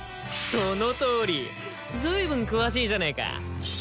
そのとおり随分詳しいじゃねえか